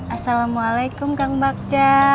assalamualaikum kang bakja